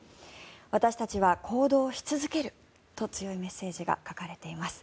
私たちは行動し続けると強いメッセージが書かれています。